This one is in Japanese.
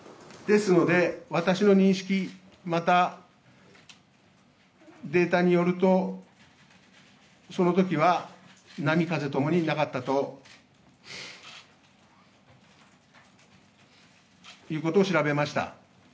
ですので、私の認識、またデータによると、そのときは、波風ともになかったということを調べました。